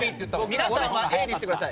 皆さんはＡにしてください！